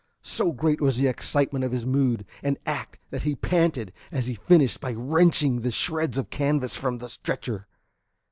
So great was the excitement of his mood and act that he panted as he finished by wrenching the shreds of canvas from the stretcher.